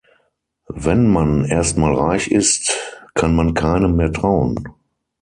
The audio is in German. Wenn man erst mal reich ist, kann man keinem mehr trauen.